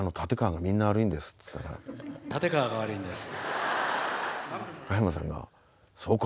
立川が悪いんです。